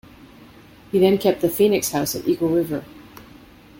He then kept the Phoenix House at Eagle River.